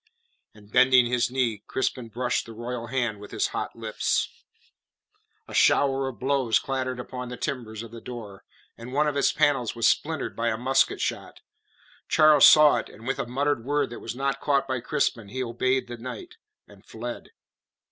And, bending his knee, Crispin brushed the royal hand with his hot lips. A shower of blows clattered upon the timbers of the door, and one of its panels was splintered by a musket shot. Charles saw it, and with a muttered word that was not caught by Crispin, he obeyed the knight, and fled.